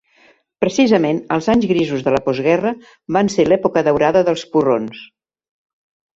Precisament, els anys grisos de la postguerra van ser l'època daurada dels porrons.